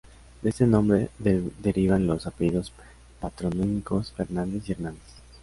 De este nombre derivan los apellidos patronímicos Fernández y Hernández.